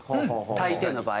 大抵の場合。